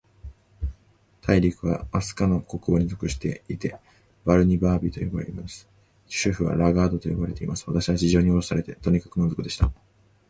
大陸は、飛島の国王に属していて、バルニバービといわれています。首府はラガードと呼ばれています。私は地上におろされて、とにかく満足でした。